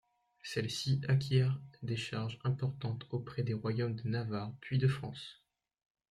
Celle-ci acquiert des charges importantes auprès des royaumes de Navarre puis de France.